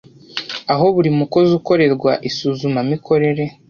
aho buri mukozi akorerwa isuzumamikorere